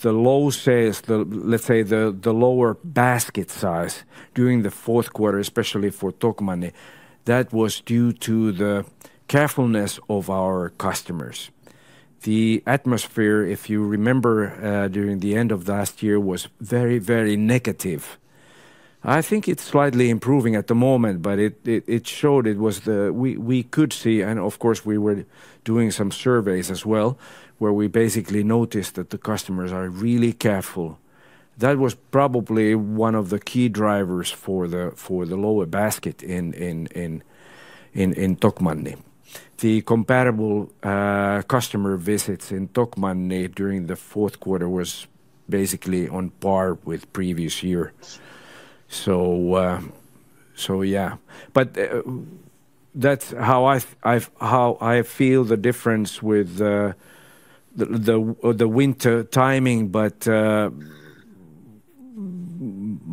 the low sales, let's say the lower basket size during the fourth quarter, especially for Tokmanni, that was due to the carefulness of our customers. The atmosphere, if you remember, during the end of last year, was very, very negative. I think it's slightly improving at the moment. It showed it was the... We could see, and of course we were doing some surveys as well, where we basically noticed that the customers are really careful. That was probably one of the key drivers for the lower basket in Tokmanni. The comparable customer visits in Tokmanni during the fourth quarter was basically on par with previous year. That's how I feel the difference with the winter timing.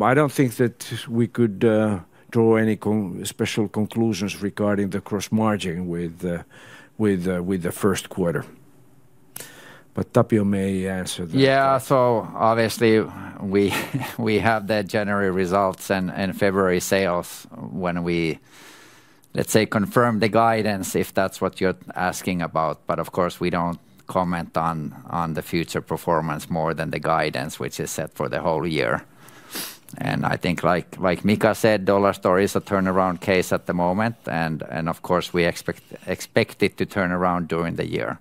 I don't think that we could draw any special conclusions regarding the gross margin with the first quarter. Tapio may answer that. Yeah. Obviously we have the January results and February sales when we, let's say, confirm the guidance, if that's what you're asking about. Of course, we don't comment on the future performance more than the guidance, which is set for the whole year. I think like Mika said, Dollarstore is a turnaround case at the moment and of course we expect it to turn around during the year.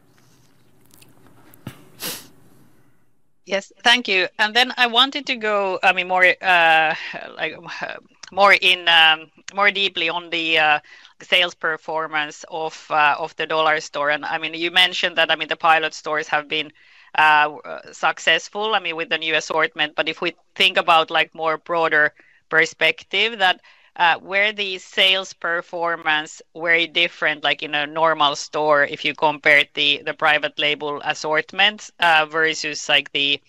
Yes. Thank you. Then I wanted to go, I mean, more, like, more in, more deeply on the sales performance of the Dollarstore. I mean, you mentioned that, I mean, the pilot stores have been successful, I mean, with the new assortment, but if we think about, like, more broader perspective that were the sales performance very different, like in a normal store, if you compare the private label assortment versus like the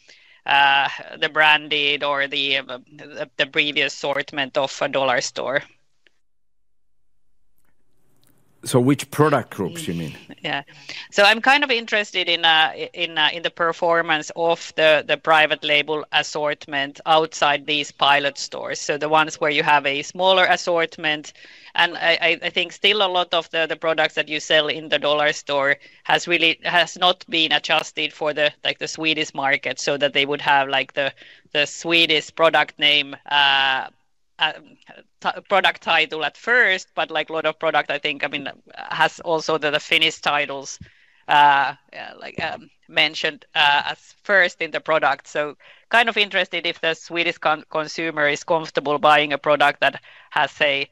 branded or the previous assortment of a Dollarstore? Which product groups you mean? Yeah. I'm kind of interested in the performance of the private label assortment outside these pilot stores. The ones where you have a smaller assortment, and I think still a lot of the products that you sell in the Dollarstore has not been adjusted for the Swedish market so that they would have, like, the Swedish product name, product title at first, but, like, a lot of product, I think, I mean, has also the Finnish titles, like, mentioned as first in the product. Kind of interested if the Swedish consumer is comfortable buying a product that has, say,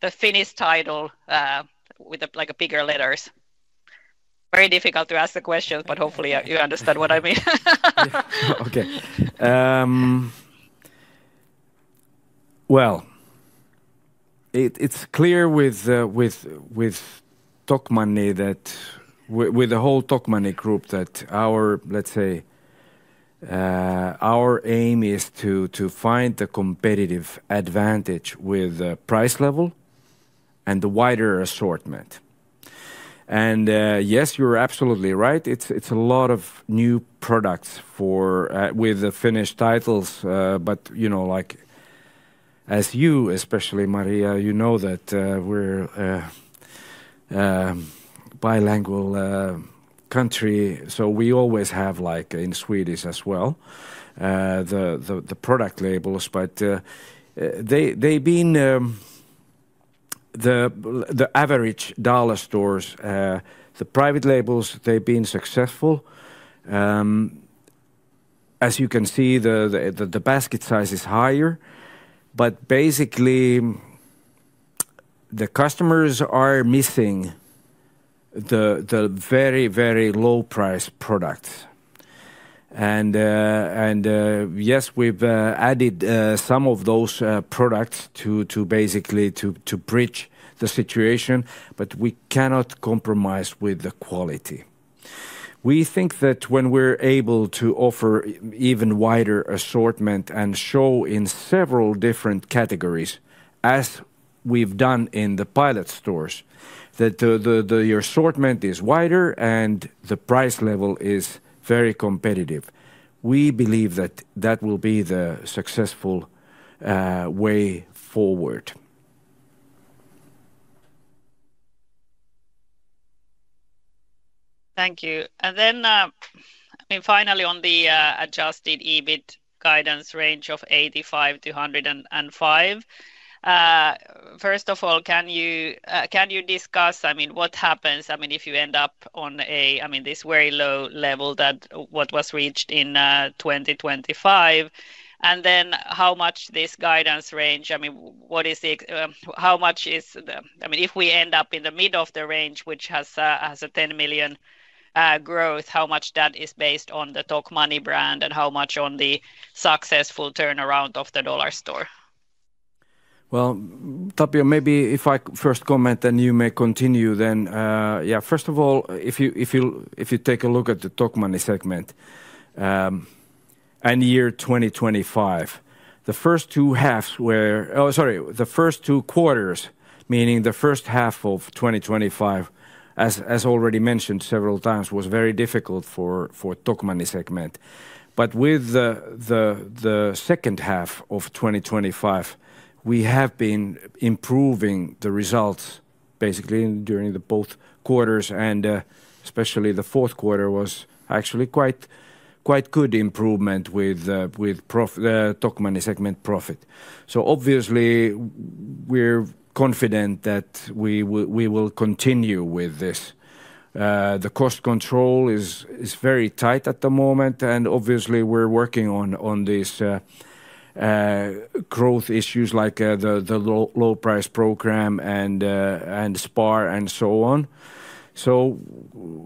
the Finnish title, with, like, bigger letters. Very difficult to ask the question, but hopefully you understand what I mean. With the whole Tokmanni Group that our, let's say, our aim is to find the competitive advantage with the price level and the wider assortment. Yes, you're absolutely right. It's a lot of new products for with the Finnish titles, you know, like, as you, especially Maria, you know that, we're bilingual country, we always have, like, in Swedish as well, the product labels. They've been the private labels, they've been successful. As you can see, the basket size is higher. Basically, the customers are missing the very low price products. Yes, we've added some of those products to basically to bridge the situation, but we cannot compromise with the quality. We think that when we're able to offer even wider assortment and show in several different categories, as we've done in the pilot stores, that the your assortment is wider and the price level is very competitive. We believe that that will be the successful way forward. Thank you. Then, I mean, finally on the adjusted EBIT guidance range of 85 million-105 million, first of all, can you discuss, I mean, what happens, I mean, if you end up on a, I mean, this very low level that what was reached in 2025? Then how much this guidance range, I mean, what is the, how much is the I mean, if we end up in the middle of the range, which has a 10 million growth, how much that is based on the Tokmanni brand and how much on the successful turnaround of the Dollarstore? Well, Tapio, maybe if I first comment, then you may continue then. Yeah, first of all, if you take a look at the Tokmanni segment, and year 2025, the first two quarters, meaning the first half of 2025, as already mentioned several times, was very difficult for Tokmanni segment. With the second half of 2025, we have been improving the results basically during the both quarters, and especially the fourth quarter was actually quite good improvement with the Tokmanni segment profit. Obviously we're confident that we will continue with this. The cost control is very tight at the moment, and obviously we're working on this growth issues like the low, low price program and SPAR and so on.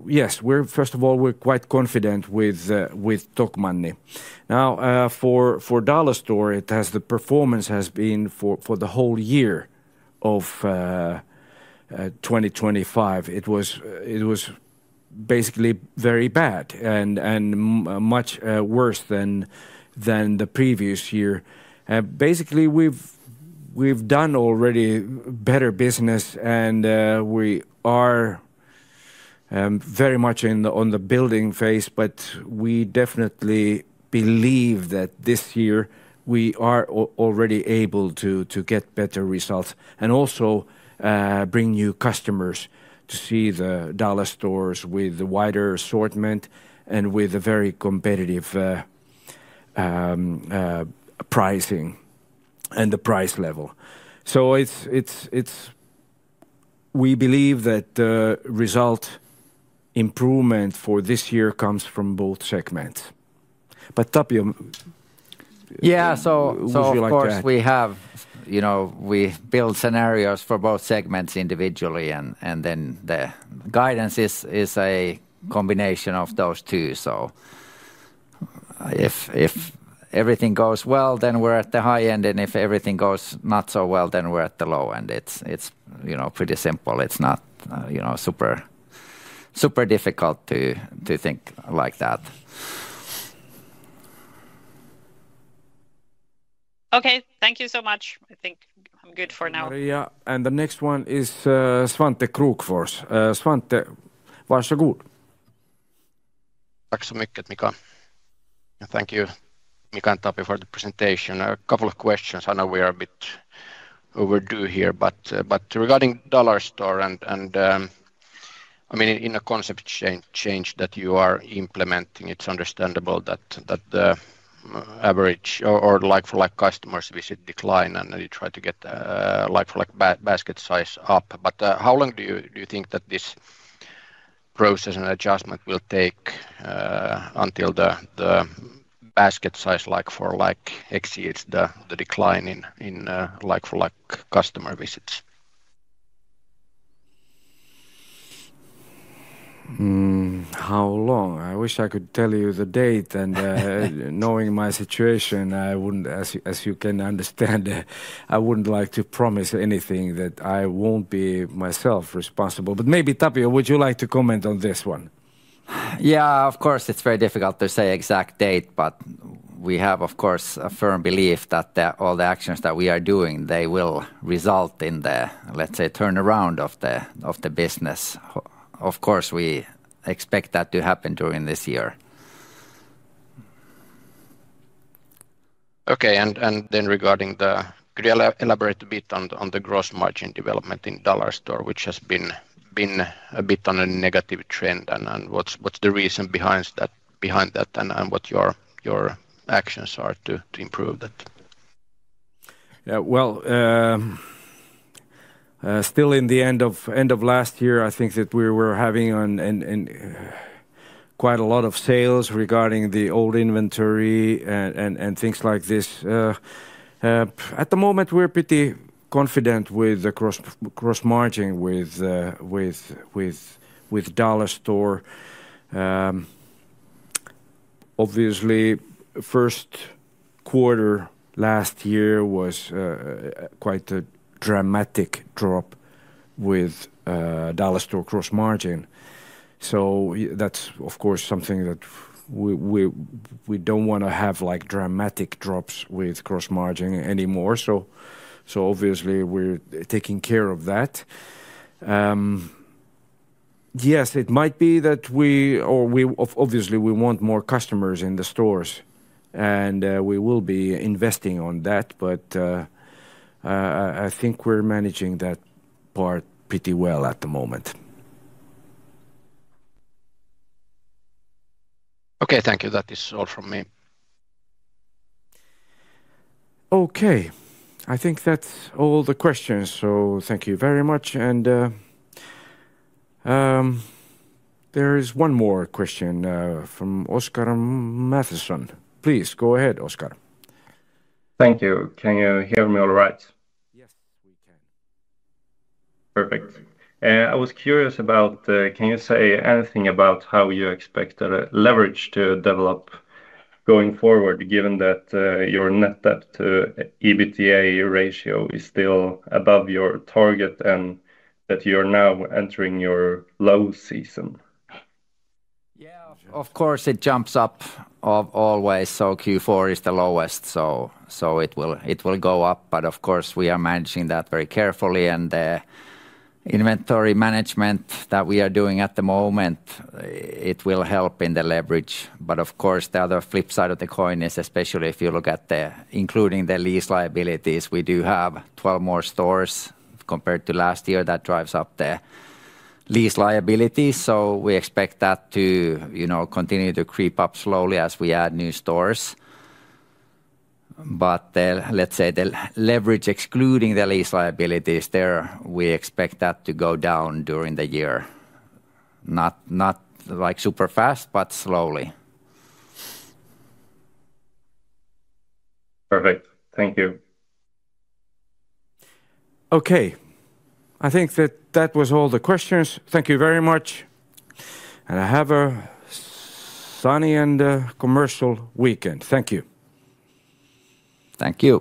Yes, we're first of all, we're quite confident with Tokmanni. Now, for Dollarstore, the performance has been for the whole year of 2025. It was, it was basically very bad and much worse than the previous year. Basically we've done already better business and we are very much in the, on the building phase. We definitely believe that this year we are already able to get better results and also bring new customers to see the Dollarstore stores with the wider assortment and with a very competitive pricing and the price level. It's... We believe that the result improvement for this year comes from both segments. Tapio- Yeah. Would you like to add? Of course we have, you know, we build scenarios for both segments individually and then the guidance is a combination of those two. If everything goes well, then we're at the high end, and if everything goes not so well, then we're at the low end. It's, you know, pretty simple. It's not, you know, super difficult to think like that. Okay. Thank you so much. I think I'm good for now. The next one is Svante Krokfors. Svante. Tack så mycket, Mika. Thank you, Mika and Tapio, for the presentation. A couple of questions. I know we are a bit overdue here, but regarding Dollarstore and, I mean, in a concept change that you are implementing, it's understandable that the average or like-for-like customers visit decline, and then you try to get like-for-like basket size up. How long do you think that this process and adjustment will take until the basket size like for like exceeds the decline in like-for-like customer visits? How long? I wish I could tell you the date and knowing my situation, I wouldn't, as you can understand, I wouldn't like to promise anything that I won't be myself responsible. Maybe Tapio, would you like to comment on this one? Yeah, of course, it's very difficult to say exact date, but we have, of course, a firm belief that the, all the actions that we are doing, they will result in the, let's say, turnaround of the, of the business. Of course, we expect that to happen during this year. Okay. Regarding the, could you elaborate a bit on the gross margin development in Dollarstore, which has been a bit on a negative trend, and what's the reason behind that and what your actions are to improve that? Yeah. Well, still in the end of, end of last year, I think that we were having an quite a lot of sales regarding the old inventory and things like this. At the moment, we're pretty confident with the gross margin with Dollarstore. Obviously, first quarter last year was quite a dramatic drop with Dollarstore gross margin. That's of course something that we don't wanna have like dramatic drops with gross margin anymore. Obviously we're taking care of that. Yes, it might be that we. Or we obviously, we want more customers in the stores, and we will be investing on that. I think we're managing that part pretty well at the moment. Okay. Thank you. That is all from me. Okay. I think that's all the questions. Thank you very much. There is one more question from Oskar Matheson. Please go ahead, Oskar. Thank you. Can you hear me all right? Yes, we can. Perfect. I was curious about, can you say anything about how you expect the leverage to develop going forward given that your net debt to EBITDA ratio is still above your target and that you're now entering your low season? Yeah. Of course, it jumps up of always. Q4 is the lowest. It will go up, of course we are managing that very carefully. The inventory management that we are doing at the moment, it will help in the leverage. Of course, the other flip side of the coin is especially if you look at the including the lease liabilities. We do have 12 more stores compared to last year that drives up the lease liability. We expect that to, you know, continue to creep up slowly as we add new stores. The, let's say, the leverage excluding the lease liabilities there, we expect that to go down during the year. Not like super fast, but slowly. Perfect. Thank you. Okay. I think that that was all the questions. Thank you very much and have a sunny and a commercial weekend. Thank you. Thank you.